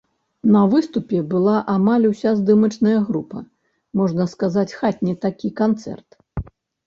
На выступе была амаль уся здымачная група, можна сказаць, хатні такі канцэрт.